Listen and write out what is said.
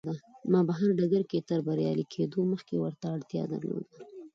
ما په هر ډګر کې تر بريالي کېدو مخکې ورته اړتيا درلوده.